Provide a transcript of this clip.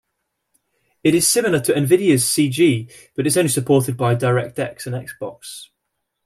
It is similar to Nvidia's Cg but is only supported by DirectX and Xbox.